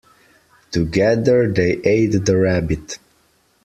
Together they ate the rabbit.